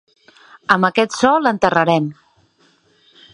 Amb aquest so l'enterrarem.